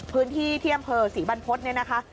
พื้นที่เที่ยมเผลอศรีบรรพฤตินี่นะคะ